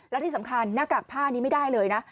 และที่สำคัญหน้ากากผ้านี้ไม่ได้เลยนะ